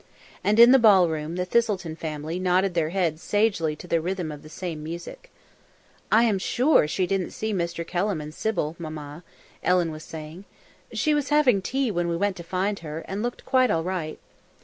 And in the ball room the Thistleton family nodded their heads sagely to the rhythm of the same music. "I am sure she didn't see Mr. Kelham and Sybil, Mamma," Ellen was saying. "She was having tea when we went to find her, and looked quite all right."